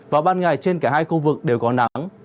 vào ban ngày trên cả hai khu vực đều có nắng